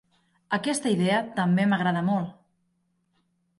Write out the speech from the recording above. Aquesta idea també m'agrada molt.